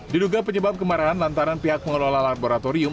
diduga penyebab kemarahan lantaran pihak pengelola laboratorium